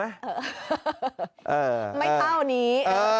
ไม่เท่านี้